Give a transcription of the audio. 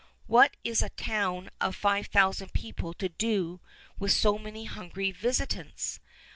What is a town of five thousand people to do with so many hungry visitants?